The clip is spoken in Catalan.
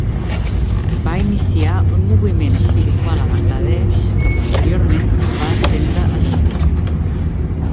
Va iniciar un moviment espiritual a Bangladesh que, posteriorment, es va estendre a l'Índia.